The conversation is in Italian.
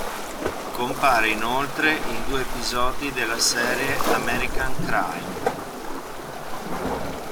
Compare inoltre in due episodi della serie "American Crime".